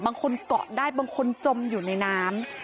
บางคนเกาะได้บางคนจมอยู่ในน้ำ